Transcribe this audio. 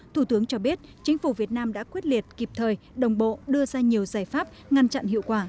thủ tướng cho biết chính phủ việt nam đã quyết liệt kịp thời đồng bộ đưa ra nhiều giải pháp ngăn chặn hiệu quả